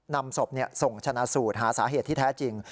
นำศพส่งชนะสูตรหาสาเหตุที่แท้จริง